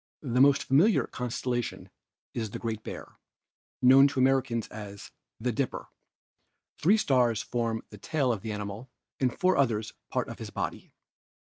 The most familiar constellation is the "Great Bear," known to Americans as "the Dipper"; three stars form the tail of the animal and four others part of his body.